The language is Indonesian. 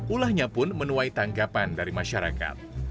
ulahnya pun menuai tanggapan dari masyarakat